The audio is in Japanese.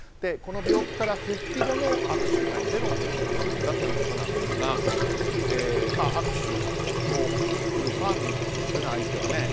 この病気から復帰後の握手会での出来事だということですが握手をするファンなんですね相手は。